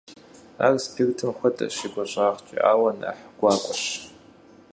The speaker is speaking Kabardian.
Ар спиртым хуэдэщ и гуащӀагъкӀэ, ауэ нэхъ гуакӀуэщ.